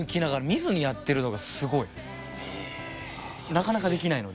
なかなかできないので。